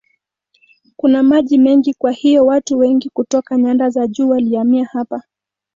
Kuna maji mengi kwa hiyo watu wengi kutoka nyanda za juu walihamia hapa.